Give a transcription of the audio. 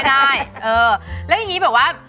เออแล้วยังงี้แบบว่า